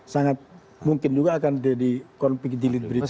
sangat mungkin juga akan di konflik dilit berikutnya